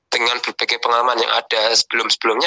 dengan berbagai pengalaman yang ada sebelum sebelumnya